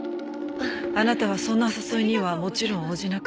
あなたはそんな誘いにはもちろん応じなかった。